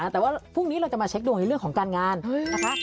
แต่ว่าพรุ่งนี้เราจะมาเช็คดวงในเรื่องของการงานนะคะ